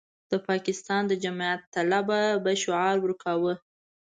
د پاکستان د جمعیت طلبه به شعار ورکاوه.